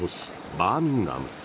バーミンガム。